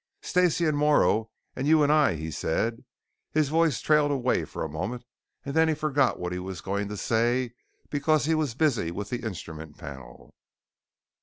"Stacey and Morrow and you and I " he said. His voice trailed away for a moment, and then he forgot what he was going to say because he was busy with the instrument panel.